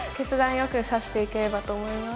よく指していければと思います。